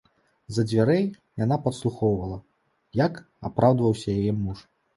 З-за дзвярэй яна падслухоўвала, як апраўдваўся яе муж.